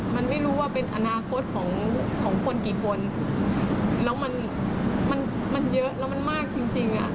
มันไม่รู้ว่าเป็นอนาคตของของคนกี่คนแล้วมันมันเยอะแล้วมันมากจริงจริงอ่ะ